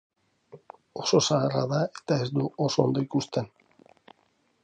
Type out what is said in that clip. Oso zaharra da eta ez du oso ondo ikusten.